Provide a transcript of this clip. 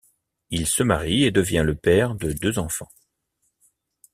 Il se marie et devient le père de deux enfants.